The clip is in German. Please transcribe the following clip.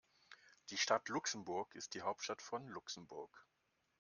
Die Stadt Luxemburg ist die Hauptstadt von Luxemburg.